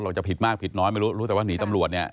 เพราะเราจะผิดมากผิดน้อยไม่รู้แต่ว่านี่ตำรวจ